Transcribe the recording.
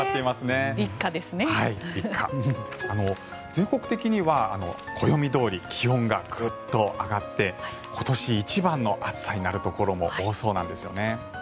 全国的には暦どおり気温がグッと上がって今年一番の暑さになるところも多そうなんですよね。